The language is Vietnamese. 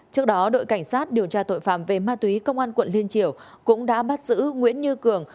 trước đó đội cảnh sát điều tra tội phạm về ma túy công an quận liên triều cũng đã bắt giữ nguyễn như cường